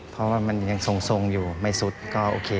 เพราะว่ามันยังทรงอยู่ไม่สุดก็โอเค